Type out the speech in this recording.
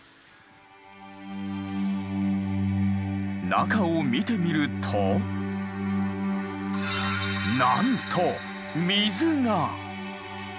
中を見てみるとなんと水が！